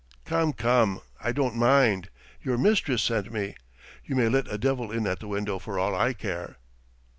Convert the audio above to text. "Come, come ... I don't mind! Your mistress sent me. You may let a devil in at the window for all I care!"